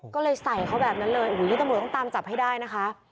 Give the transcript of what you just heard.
ก็เลยใส่เขาแบบนั้นเลยโอ้โหนี่ตำรวจต้องตามจับให้ได้นะคะ